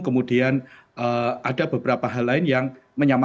kemudian ada beberapa hal lain yang menyamakan